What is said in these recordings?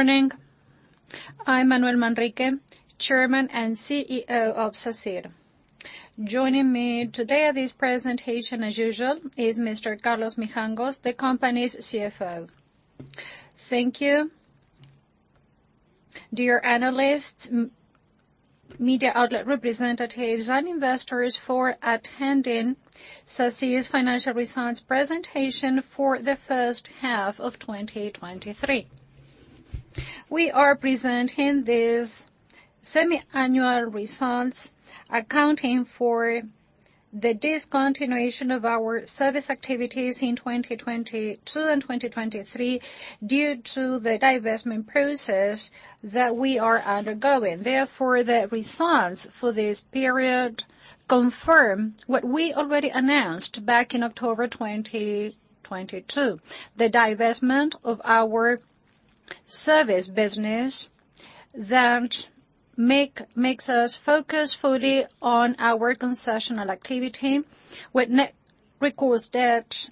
Morning. I'm Manuel Manrique, Chairman and CEO of Sacyr. Joining me today at this presentation, as usual, is Mr. Carlos Mijangos, the company's CFO. Thank you, dear analysts, media outlet representatives, and investors for attending Sacyr's financial results presentation for the first half of 2023. We are presenting these semi-annual results, accounting for the discontinuation of our service activities in 2022 and 2023, due to the divestment process that we are undergoing. Therefore, the results for this period confirm what we already announced back in October 2022, the divestment of our service business that makes us focus fully on our concessional activity, with net recourse debt,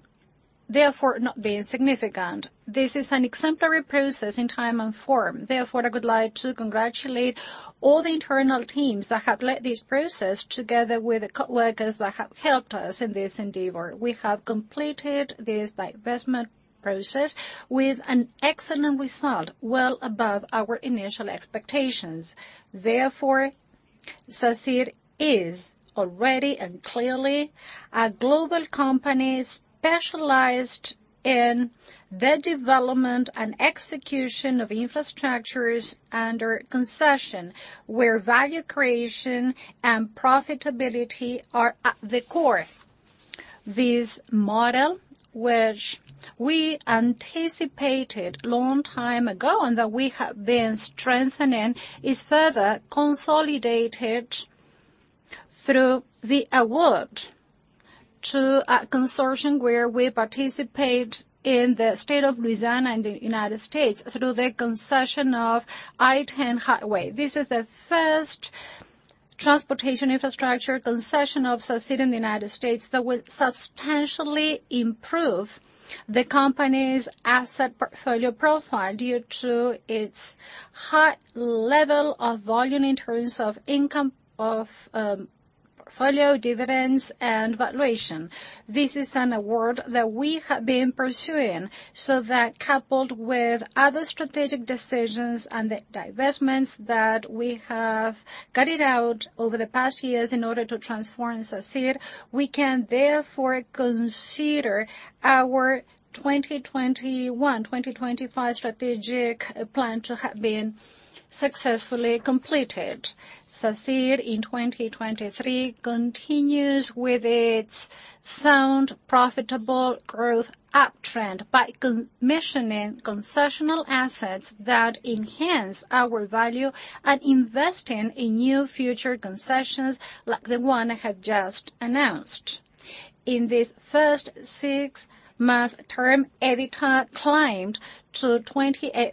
therefore, not being significant. This is an exemplary process in time and form. Therefore, I would like to congratulate all the internal teams that have led this process, together with the coworkers that have helped us in this endeavor. We have completed this divestment process with an excellent result, well above our initial expectations. Therefore, Sacyr is already and clearly a global company specialized in the development and execution of infrastructures under concession, where value creation and profitability are at the core. This model, which we anticipated long time ago and that we have been strengthening, is further consolidated through the award to a consortium where we participate in the state of Louisiana, in the United States, through the concession of I-10 highway. This is the first transportation infrastructure concession of Sacyr in the United States that will substantially improve the company's asset portfolio profile due to its high level of volume in terms of income, of portfolio dividends and valuation. This is an award that we have been pursuing, so that coupled with other strategic decisions and the divestments that we have carried out over the past years in order to transform Sacyr, we can therefore consider our 2021-2025 Strategic Plan to have been successfully completed. Sacyr, in 2023, continues with its sound, profitable growth uptrend by commissioning concessional assets that enhance our value and investing in new future concessions, like the one I have just announced. In this first six-month term, EBITDA climbed to 28%,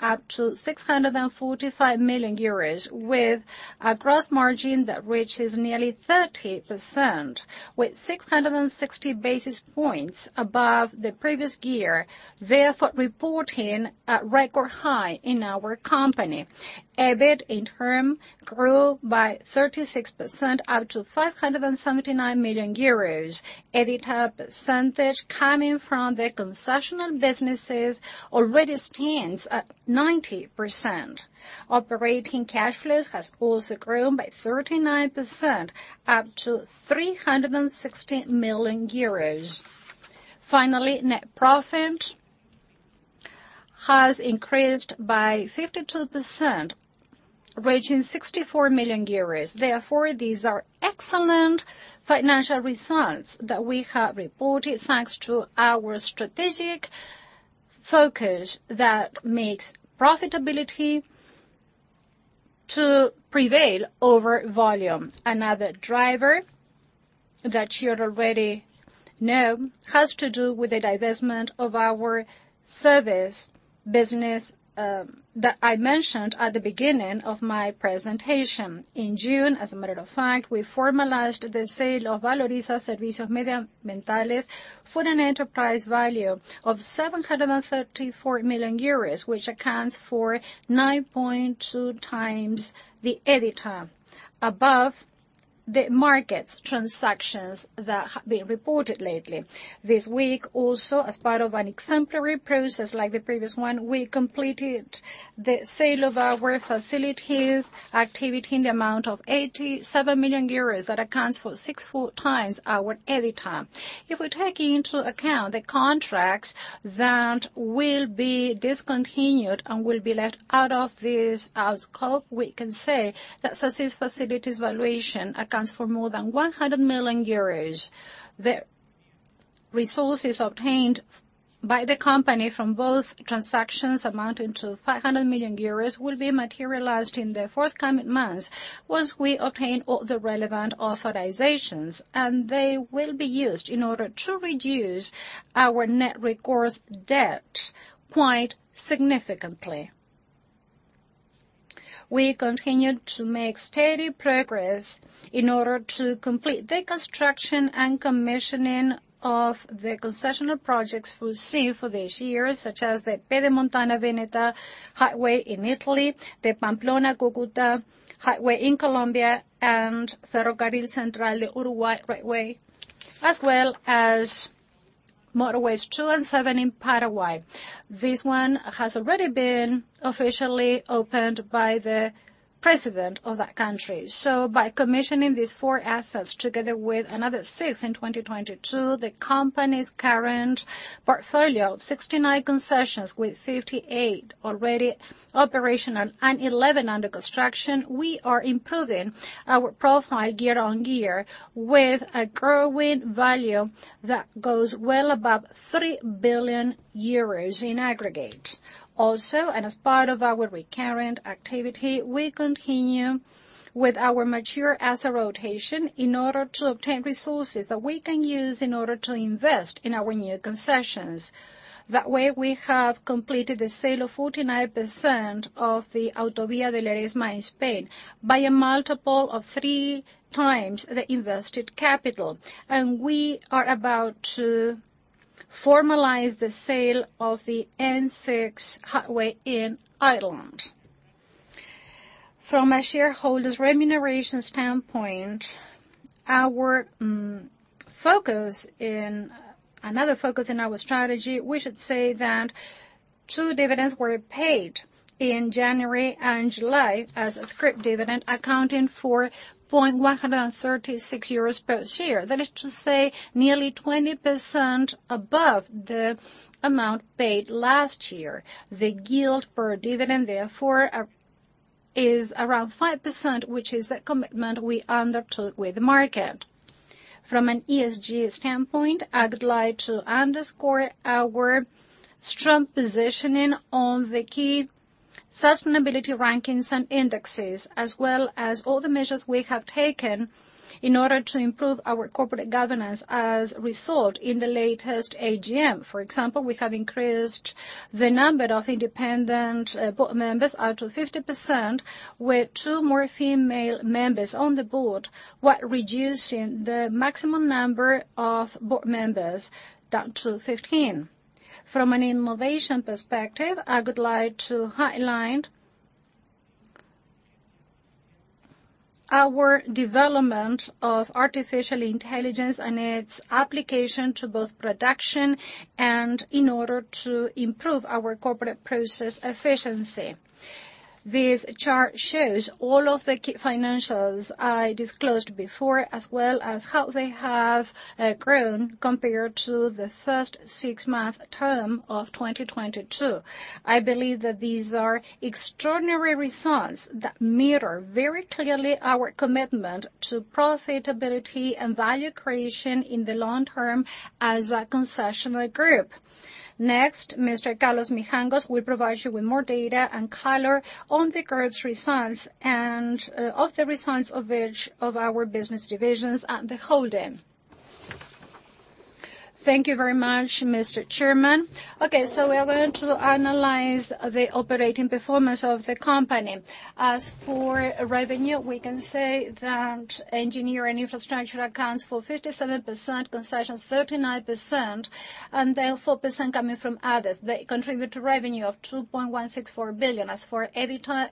up to 645 million euros, with a gross margin that reaches nearly 30%, with 660 basis points above the previous year, therefore reporting a record high in our company. EBIT, in turn, grew by 36%, up to 579 million euros. EBITDA percentage coming from the concessional businesses already stands at 90%. Operating cash flows has also grown by 39%, up to 360 million euros. Finally, net profit has increased by 52%, reaching 64 million euros. These are excellent financial results that we have reported, thanks to our strategic focus that makes profitability to prevail over volume. Another driver that you already know has to do with the divestment of our service business that I mentioned at the beginning of my presentation. In June, as a matter of fact, we formalized the sale of Valoriza Servicios Medioambientales for an enterprise value of 734 million euros, which accounts for 9.2x the EBITDA, above the market's transactions that have been reported lately. This week, also, as part of an exemplary process like the previous one, we completed the sale of our facilities activity in the amount of 87 million euros. That accounts for six full times our EBITDA. If we take into account the contracts that will be discontinued and will be left out of this scope, we can say that Sacyr's facilities valuation accounts for more than 100 million euros. The resources obtained by the company from both transactions, amounting to 500 million euros, will be materialized in the forthcoming months, once we obtain all the relevant authorizations, and they will be used in order to reduce our net recourse debt quite significantly. We continued to make steady progress in order to complete the construction and commissioning of the concessional projects we'll see for this year, such as the Pedemontana-Veneta Highway in Italy, the Pamplona-Cúcuta Highway in Colombia, and Ferrocarril Central Railway, as well as Routes 2 and 7 in Paraguay. This one has already been officially opened by the president of that country. By commissioning these four assets, together with another six in 2022, the company's current portfolio of 69 concessions, with 58 already operational and 11 under construction, we are improving our profile year on year with a growing value that goes well above 3 billion euros in aggregate. Also, as part of our recurrent activity, we continue with our mature asset rotation in order to obtain resources that we can use in order to invest in our new concessions. That way, we have completed the sale of 49% of the Autovia de Lérida in Spain by a multiple of 3x the invested capital, and we are about to formalize the sale of the N6 Motorway in Ireland. From a shareholders' remuneration standpoint, our, another focus in our strategy, we should say that two dividends were paid in January and July as a scrip dividend, accounting for 0.136 euros per share. That is to say, nearly 20% above the amount paid last year. The dividend yield, therefore, is around 5%, which is the commitment we undertook with the market. From an ESG standpoint, I would like to underscore our strong positioning on the key sustainability rankings and indexes, as well as all the measures we have taken in order to improve our corporate governance as resolved in the latest AGM. For example, we have increased the number of independent board members up to 50%, with two more female members on the board, while reducing the maximum number of board members down to 15. From an innovation perspective, I would like to highlight our development of artificial intelligence and its application to both production and in order to improve our corporate process efficiency. This chart shows all of the key financials I disclosed before, as well as how they have grown compared to the first six-month term of 2022. I believe that these are extraordinary results that mirror very clearly our commitment to profitability and value creation in the long term as a concession group. Next, Mr. Carlos Mijangos will provide you with more data and color on the group's results, of the results of each of our business divisions and the holding. Thank you very much, Mr. Chairman. We are going to analyze the operating performance of the company. As for revenue, we can say that Engineering and Infrastructure accounts for 57%, concessions 39%, and then 4% coming from others. They contribute to revenue of 2.164 billion. As for EBITDA,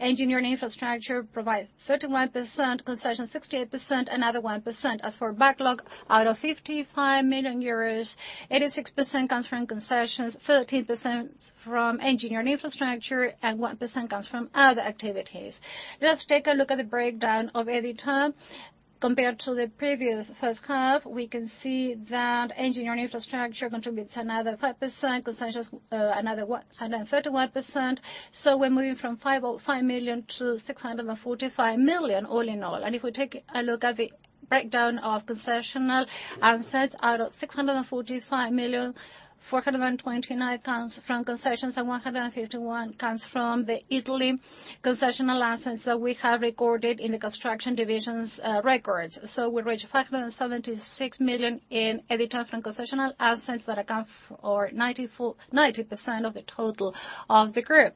Engineering and Infrastructure provides 31%, concessions 68%, another 1%. As for backlog, out of 55 million euros, 86% comes from concessions, 13% from Engineering and Infrastructure, and 1% comes from other activities. Let's take a look at the breakdown of EBITDA. Compared to the previous first half, we can see that Engineering and Infrastructure contributes another 5%, concessions, another 31%. We're moving from 505 million to 645 million, all in all. If we take a look at the breakdown of concessional assets, out of 645 million, 429 million comes from concessions and 151 million comes from the Italy concessional assets that we have recorded in the construction division's records. We reach 576 million in EBITDA from concessional assets that account for 90% of the total of the group.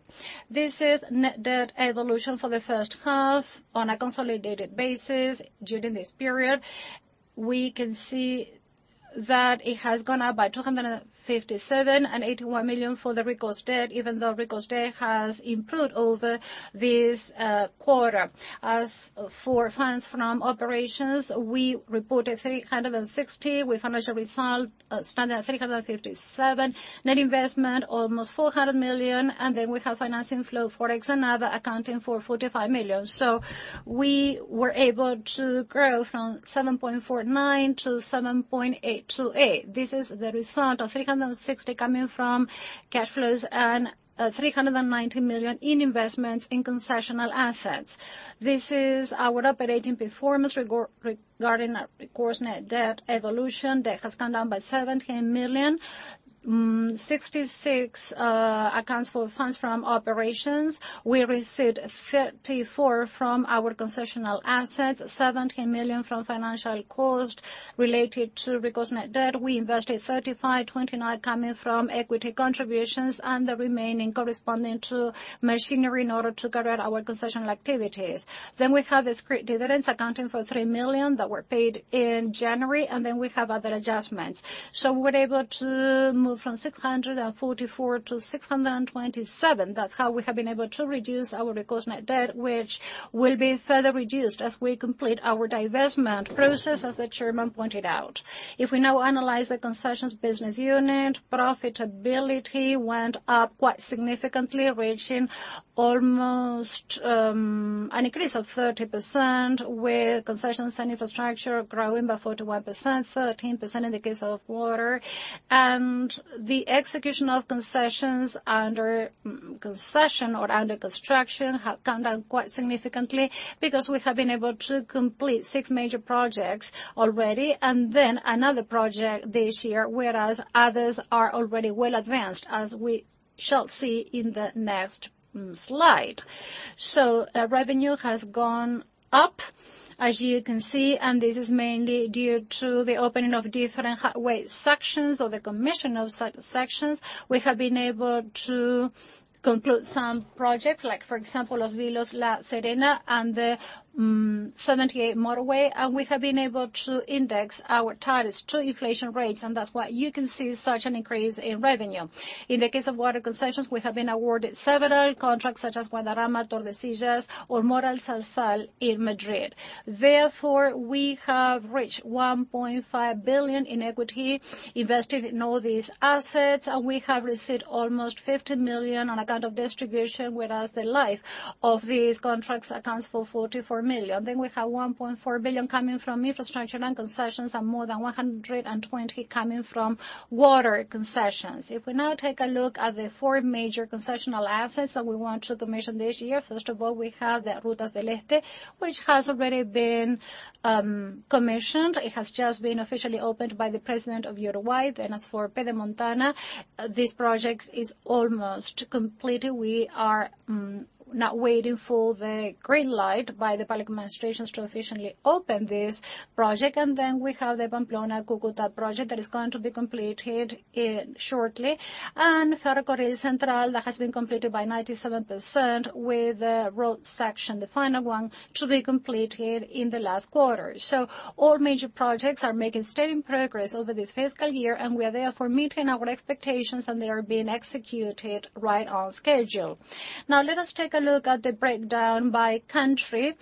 This is net debt evolution for the first half on a consolidated basis during this period. We can see that it has gone up by 257.81 million for the recourse debt, even though recourse debt has improved over this quarter. As for funds from operations, we reported 360, with financial results standing at 357. Net investment, almost 400 million. Then we have financing flow, Forex, and other accounting for 45 million. We were able to grow from 7.49 to 7.828. This is the result of 360 coming from cash flows and 390 million in investments in concessional assets. This is our operating performance regarding our recourse net debt evolution. Debt has come down by 17 million. 66 accounts for funds from operations. We received 34 million from our concessional assets, 17 million from financial cost related to recourse net debt. We invested 35 million, 29 million coming from equity contributions, and the remaining corresponding to machinery in order to carry out our concessional activities. We have discrete dividends accounting for 3 million that were paid in January, and then we have other adjustments. We're able to move from 644 million to 627 million. That's how we have been able to reduce our recourse net debt, which will be further reduced as we complete our divestment process, as the chairman pointed out. If we now analyze the concessions business unit, profitability went up quite significantly, reaching almost an increase of 30%, with concessions and infrastructure growing by 41%, 13% in the case of water. The execution of concessions under concession or under construction have come down quite significantly because we have been able to complete six major projects already, and then another project this year, whereas others are already well advanced, as we shall see in the next slide. Revenue has gone up, as you can see, and this is mainly due to the opening of different highway sections or the commission of such sections. We have been able to conclude some projects, like, for example, Los Vilos La Serena, and the 78 motorway. We have been able to index our tariffs to inflation rates, and that's why you can see such an increase in revenue. In the case of water concessions, we have been awarded several contracts, such as Guadarrama-Tordesillas, or Moralzarzal in Madrid. Therefore, we have reached 1.5 billion in equity invested in all these assets, and we have received almost 50 million on account of distribution, whereas the life of these contracts accounts for 44 million. We have 1.4 billion coming from infrastructure and concessions, and more than 120 million coming from water concessions. If we now take a look at the four major concessional assets that we want to mention this year, first of all, we have the Rutas del Este, which has already been commissioned. It has just been officially opened by the president of Uruguay. As for Pedemontana, this project is almost completed. We are now waiting for the green light by the public administrations to officially open this project. We have the Pamplona-Cúcuta project that is going to be completed in shortly. Ferrocarril Central, that has been completed by 97%, with the road section, the final one, to be completed in the last quarter. All major projects are making steady progress over this fiscal year, and we are therefore meeting our expectations, and they are being executed right on schedule. Now let us take a look at the breakdown by country.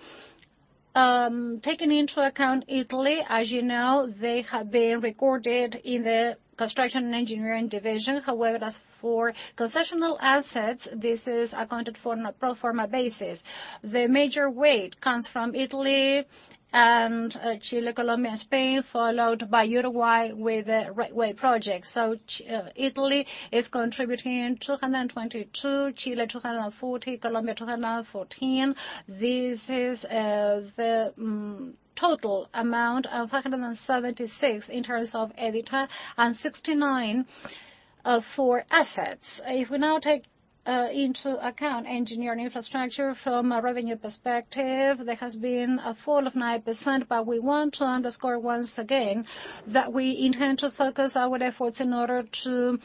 Taking into account Italy, as you know, they have been recorded in the construction and engineering division. However, as for concessional assets, this is accounted for on a pro forma basis. The major weight comes from Italy and Chile, Colombia, and Spain, followed by Uruguay with a railway project. Italy is contributing 222, Chile, 240, Colombia, 214. This is the total amount of 576 in terms of EBITDA, and 69 for assets. If we now take into account Engineering and Infrastructure from a revenue perspective, there has been a fall of 9%, we want to underscore once again that we intend to focus our efforts in order to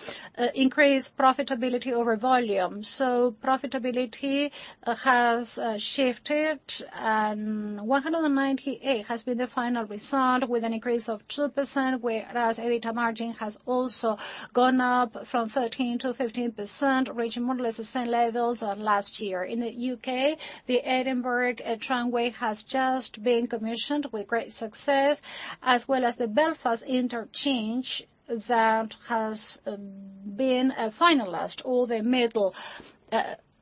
increase profitability over volume. Profitability has shifted, and 198 has been the final result, with an increase of 2%, whereas EBITDA margin has also gone up from 13% to 15%, reaching more or less the same levels as last year. In the U.K., the Edinburgh Tramway has just been commissioned with great success, as well as the Belfast Interchange that has been finalized, or the Middle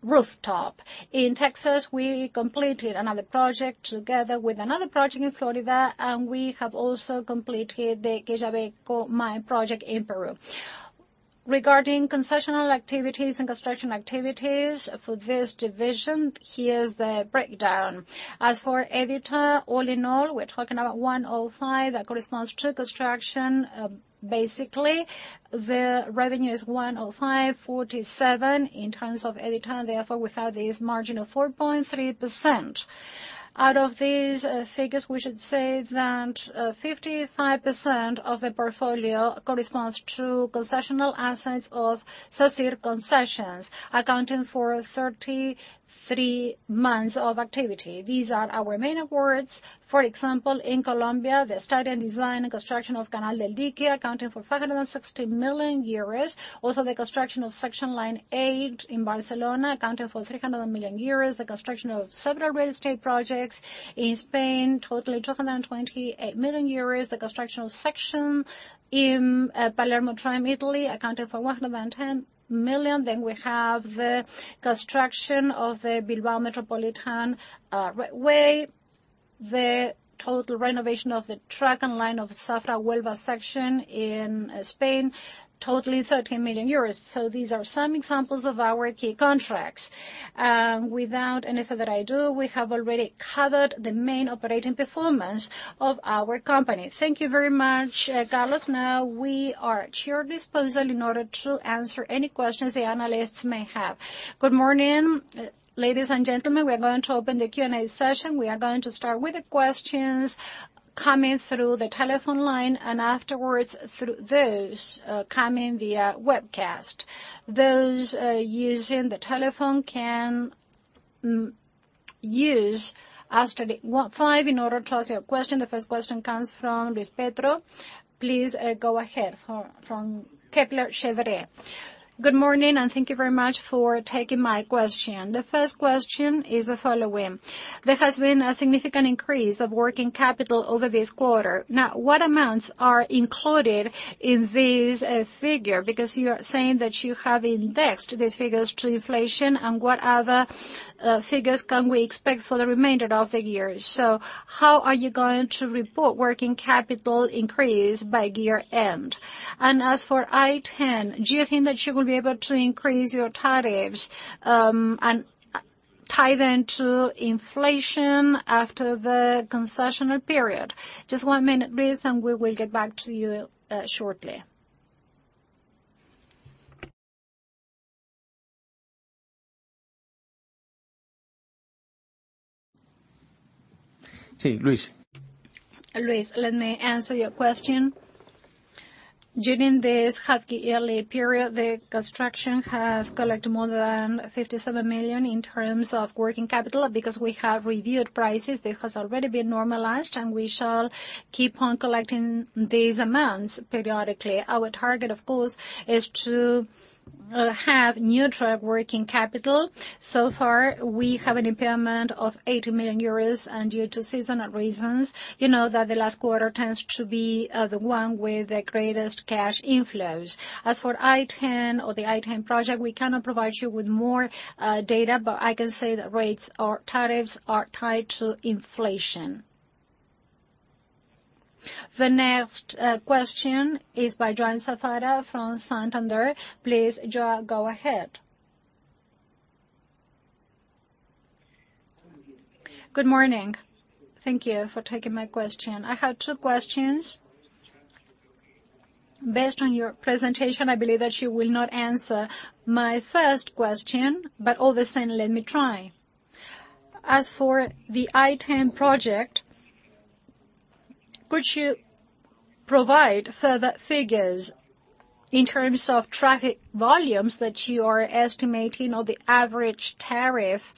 Rooftop. In Texas, we completed another project together with another project in Florida, and we have also completed the Quellaveco mine project in Peru. Regarding concessional activities and construction activities for this division, here's the breakdown. As for EBITDA, all in all, we're talking about 105. That corresponds to construction. Basically, the revenue is 105.47 in terms of EBITDA, and therefore we have this margin of 4.3%. Out of these figures, we should say that 55% of the portfolio corresponds to concessional assets of Sacyr Concessions, accounting for 33 months of activity. These are our main awards. For example, in Colombia, the study and design and construction of Canal del Dique, accounting for 560 million euros. The construction of section line eight in Barcelona, accounting for 300 million euros, the construction of several real estate projects in Spain totaling 228 million euros, the construction of section in Palermo Tram, Italy, accounting for 110 million. We have the construction of the Bilbao Metropolitan railway, the total renovation of the track and line of Zafra-Huelva section in Spain, totaling 13 million euros. These are some examples of our key contracts. Without anything further ado, we have already covered the main operating performance of our company. Thank you very much, Carlos. Now we are at your disposal in order to answer any questions the analysts may have. Good morning, ladies and gentlemen, we are going to open the Q&A session. We are going to start with the questions coming through the telephone line, afterwards, through those coming via webcast. Those using the telephone can use asterisk one five in order to ask your question. The first question comes from Luis Prieto. Please, go ahead, from, from Kepler Cheuvreux. Good morning, thank you very much for taking my question. The first question is the following: There has been a significant increase of working capital over this quarter. What amounts are included in this figure? You are saying that you have indexed these figures to inflation, what other figures can we expect for the remainder of the year? How are you going to report working capital increase by year-end? As for I-10, do you think that you will be able to increase your tariffs and tie them to inflation after the concessional period? Just one minute, please, and we will get back to you shortly. See, Luis. Luis, let me answer your question. During this half yearly period, the construction has collected more than 57 million in terms of working capital. We have reviewed prices, this has already been normalized, and we shall keep on collecting these amounts periodically. Our target, of course, is to have neutral working capital. So far, we have an impairment of 80 million euros, and due to seasonal reasons, you know that the last quarter tends to be the one with the greatest cash inflows. As for I-10 or the I-10 project, we cannot provide you with more data, but I can say that rates or tariffs are tied to inflation. The next question is by João Sáfara from Santander. Please, João, go ahead. Good morning. Thank you for taking my question. I have two questions. Based on your presentation, I believe that you will not answer my first question, but all the same, let me try. As for the I-10 project, could you provide further figures in terms of traffic volumes that you are estimating, or the average tariff,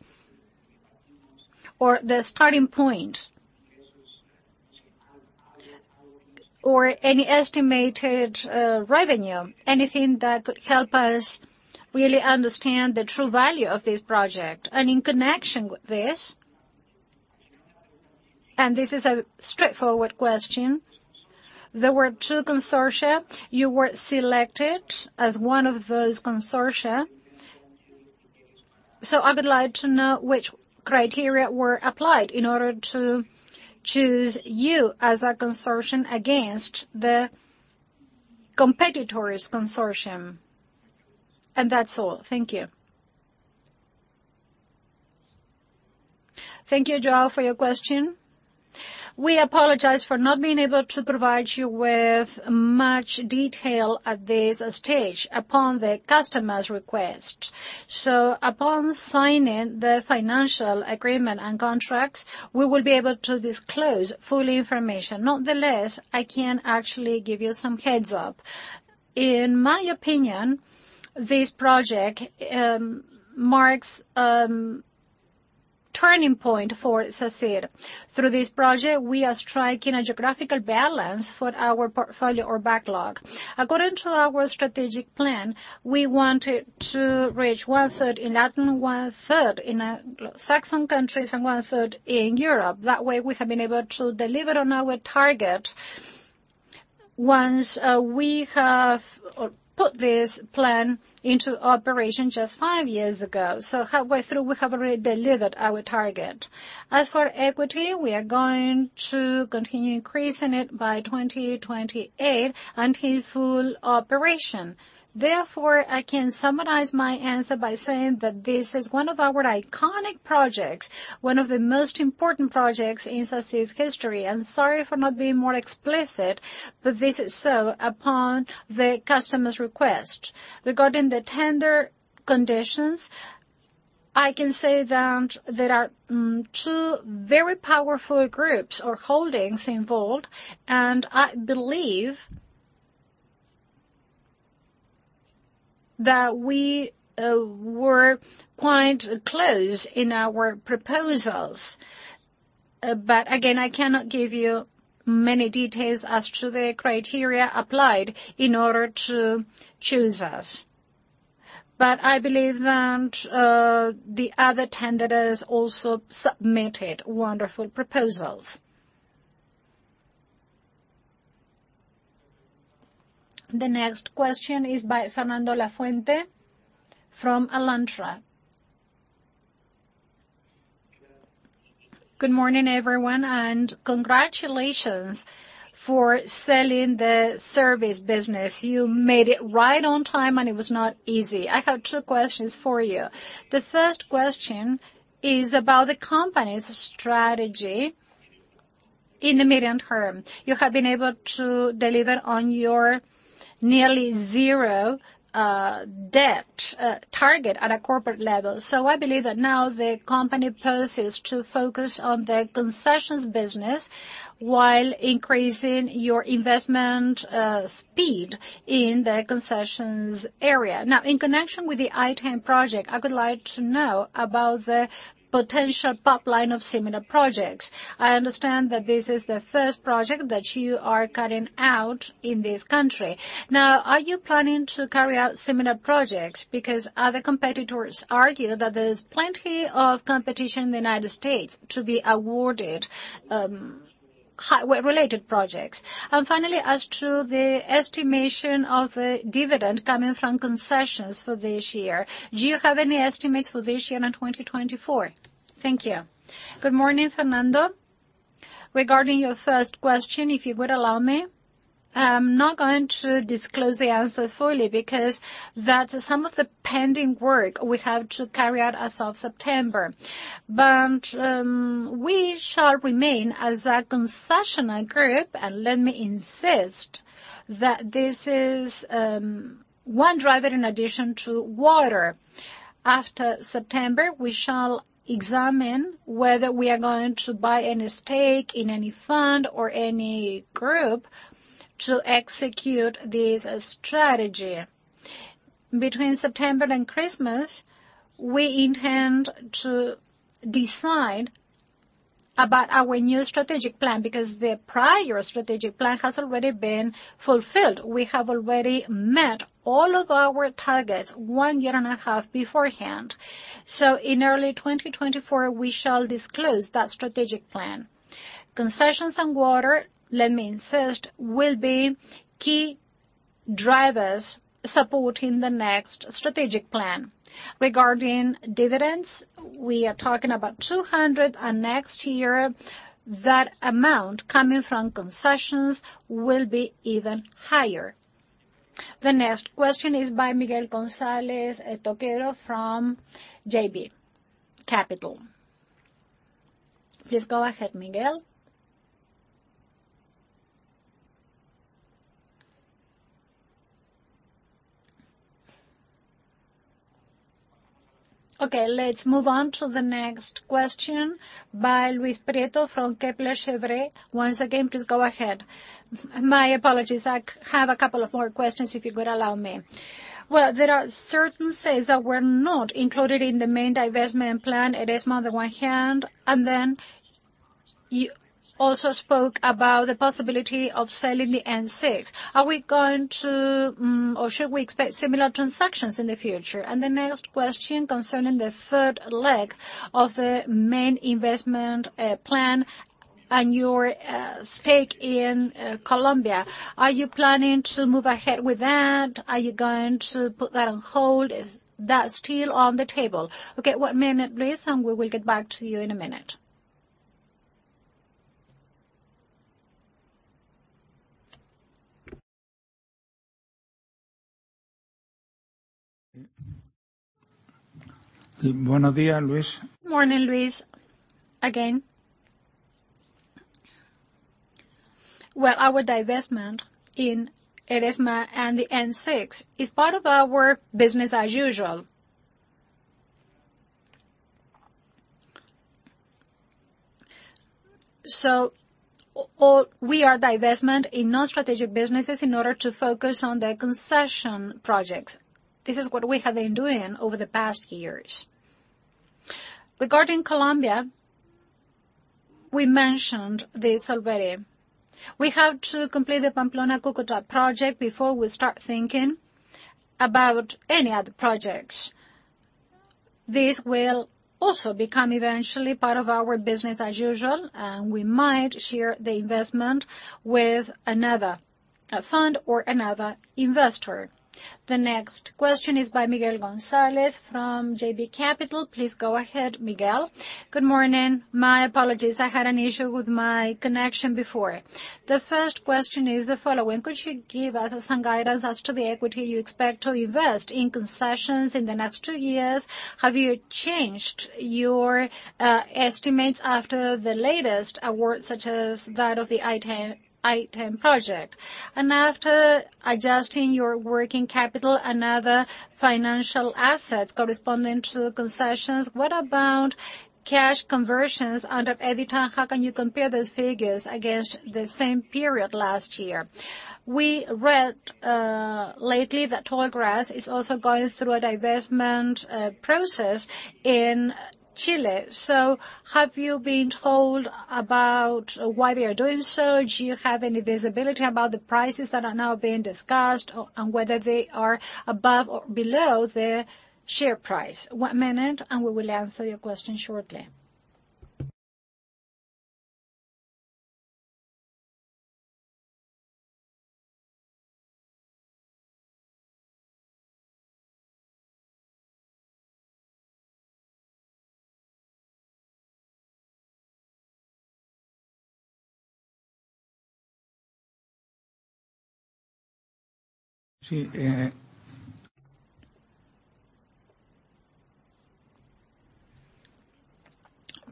or the starting point? Any estimated revenue, anything that could help us really understand the true value of this project. In connection with this, and this is a straightforward question, there were two consortia. You were selected as one of those consortia, I would like to know which criteria were applied in order to choose you as a consortium against the competitors' consortium. That's all. Thank you. Thank you, João, for your question. We apologize for not being able to provide you with much detail at this stage upon the customer's request. Upon signing the financial agreement and contracts, we will be able to disclose full information. Nonetheless, I can actually give you some heads-up. In my opinion, this project marks a turning point for Sacyr. Through this project, we are striking a geographical balance for our portfolio or backlog. According to our strategic plan, we wanted to reach one-third in Latin, one-third in Saxon countries, and one-third in Europe. That way, we have been able to deliver on our target once we have put this plan into operation just five years ago. Halfway through, we have already delivered our target. As for equity, we are going to continue increasing it by 2028 until full operation. Therefore, I can summarize my answer by saying that this is one of our iconic projects, one of the most important projects in Sacyr's history. I'm sorry for not being more explicit, but this is so upon the customer's request. Regarding the tender conditions, I can say that there are two very powerful groups or holdings involved, and I believe... that we were quite close in our proposals. But again, I cannot give you many details as to the criteria applied in order to choose us. I believe that the other tenders also submitted wonderful proposals. The next question is by Fernando Lafuente from Alantra. Good morning, everyone, and congratulations for selling the Services business. You made it right on time, and it was not easy. I have two questions for you. The first question is about the company's strategy in the medium term. You have been able to deliver on your nearly zero debt target at a corporate level, so I believe that now the company poses to focus on the concessions business while increasing your investment speed in the concessions area. In connection with the I-10 project, I would like to know about the potential pipeline of similar projects. I understand that this is the first project that you are carrying out in this country. Are you planning to carry out similar projects? Because other competitors argue that there is plenty of competition in the United States to be awarded, highway-related projects. Finally, as to the estimation of the dividend coming from concessions for this year, do you have any estimates for this year and 2024? Thank you. Good morning, Fernando. Regarding your first question, if you would allow me, I'm not going to disclose the answer fully because that's some of the pending work we have to carry out as of September. We shall remain as a concessional group, and let me insist that this is, one driver in addition to water. After September, we shall examine whether we are going to buy any stake in any fund or any group to execute this strategy. Between September and Christmas, we intend to decide about our new Strategic Plan. The prior Strategic Plan has already been fulfilled. We have already met all of our targets 1one year and a half beforehand. In early 2024, we shall disclose that Strategic Plan. Concessions and water, let me insist, will be key drivers supporting the next Strategic Plan. Regarding dividends, we are talking about 200. Next year, that amount coming from concessions will be even higher. The next question is by Miguel Gonzalez Toquero from JB Capital. Please go ahead, Miguel. Let's move on to the next question by Luis Prieto from Kepler Cheuvreux. Once again, please go ahead. My apologies. I have a couple of more questions, if you could allow me. Well, there are certain things that were not included in the main divestment plan, Eresma on the one hand, and then you also spoke about the possibility of selling the N6. Are we going to, or should we expect similar transactions in the future? The next question concerning the third leg of the main investment plan and your stake in Colombia. Are you planning to move ahead with that? Are you going to put that on hold? Is that still on the table? .Okay, one minute, please, and we will get back to you in a minute. Good morning, Luis. Morning, Luis. Again. Well, our divestment in Eresma and the N6 is part of our work business as usual. We are divestment in non-strategic businesses in order to focus on the concession projects. This is what we have been doing over the past years. Regarding Colombia, we mentioned this already. We have to complete the Pamplona-Cúcuta project before we start thinking about any other projects. This will also become eventually part of our business as usual, and we might share the investment with another fund or another investor. The next question is by Miguel Gonzalez from JB Capital. Please go ahead, Miguel. Good morning. My apologies, I had an issue with my connection before. The first question is the following: Could you give us some guidance as to the equity you expect to invest in concessions in the next two years? Have you changed your estimates after the latest award, such as that of the I-10, I-10 project? And after adjusting your working capital and other financial assets corresponding to concessions, what about cash conversions under EBITDA? How can you compare those figures against the same period last year? We read lately that Toll Grass is also going through a divestment process in Chile. Have you been told about why they are doing so? Do you have any visibility about the prices that are now being discussed, and whether they are above or below the share price? One minute, and we will answer your question shortly. See,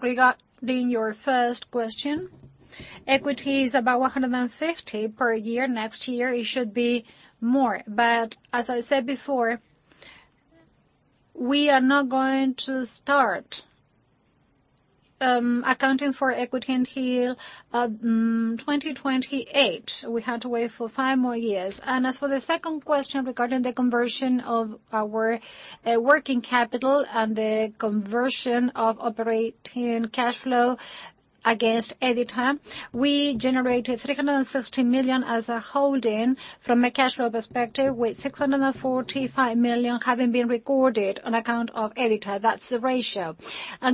regarding your first question, equity is about 150 per year. Next year, it should be more. As I said before, we are not going to start accounting for equity until 2028. We have to wait for five more years. As for the second question, regarding the conversion of our working capital and the conversion of operating cash flow against EBITDA, we generated 360 million as a holding from a cash flow perspective, with 645 million having been recorded on account of EBITDA. That's the ratio.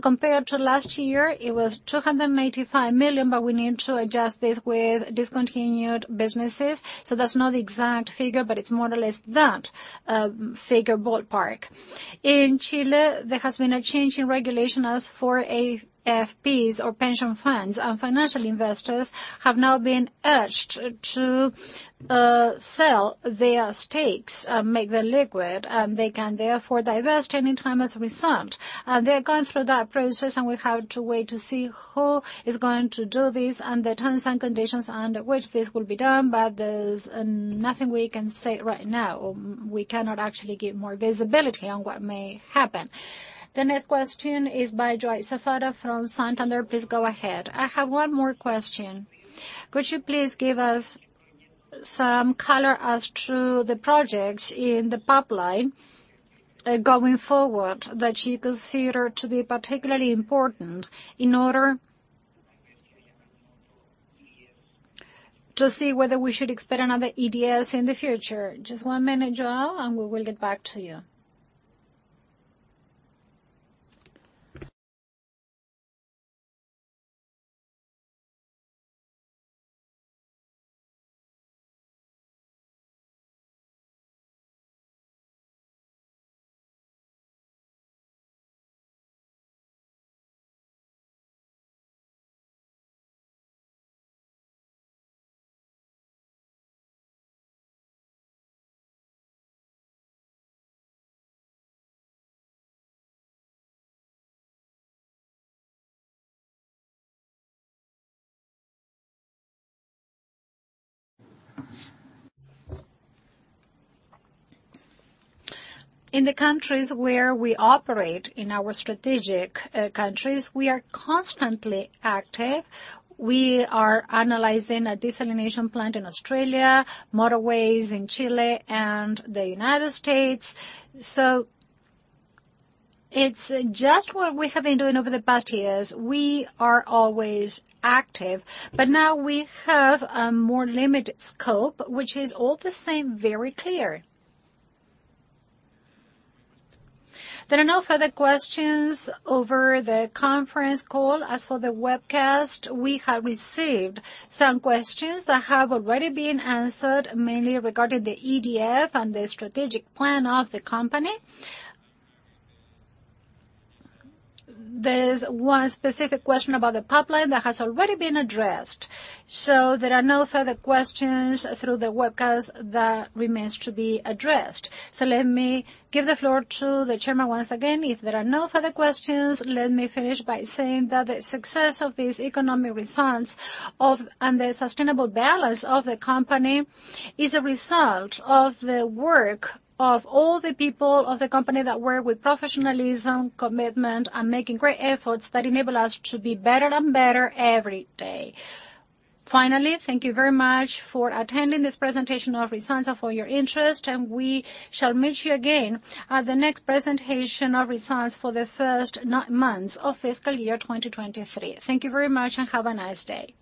Compared to last year, it was 285 million, but we need to adjust this with discontinued businesses, so that's not the exact figure, but it's more or less that figure ballpark. In Chile, there has been a change in regulation as for AFPs or pension funds, and financial investors have now been urged to sell their stakes and make them liquid, and they can therefore divest any time as a result. They're going through that process, and we have to wait to see who is going to do this and the terms and conditions under which this will be done. There's nothing we can say right now, or we cannot actually give more visibility on what may happen. The next question is by João Sáfara from Santander. Please go ahead. I have one more question. Could you please give us some color as to the projects in the pipeline, going forward, that you consider to be particularly important in order... to see whether we should expect another EDS in the future? Just one minute, João, and we will get back to you. In the countries where we operate, in our strategic, countries, we are constantly active. We are analyzing a desalination plant in Australia, motorways in Chile and the United States. It's just what we have been doing over the past years. We are always active, but now we have a more limited scope, which is all the same, very clear. There are no further questions over the conference call. As for the webcast, we have received some questions that have already been answered, mainly regarding the EDF and the strategic plan of the company. There's one specific question about the pipeline that has already been addressed. There are no further questions through the webcast that remains to be addressed. Let me give the floor to the chairman once again. If there are no further questions, let me finish by saying that the success of these economic results of, and the sustainable balance of the company, is a result of the work of all the people of the company that work with professionalism, commitment, and making great efforts that enable us to be better and better every day. Finally, thank you very much for attending this presentation of results and for your interest, and we shall meet you again at the next presentation of results for the first nine months of fiscal year 2023. Thank you very much, and have a nice day.